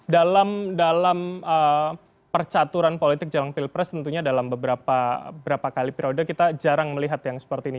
dalam percaturan politik jelang pilpres tentunya dalam beberapa kali periode kita jarang melihat yang seperti ini